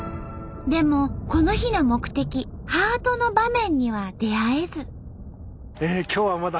でもこの日の目的ハートの場面には出会えず。